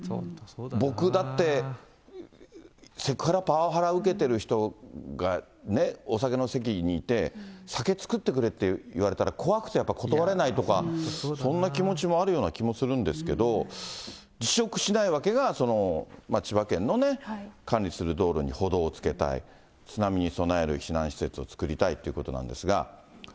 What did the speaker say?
僕だって、セクハラ、パワハラ受けてる人がね、お酒の席にいて、酒つくってくれっていわれたら、怖くてやっぱ断れないとか、そんな気持ちもあるような気もするんですけど、辞職しない訳が、千葉県のね、管理する道路に歩道をつけたい、津波に備える避難施設をつくりたいということなんですが。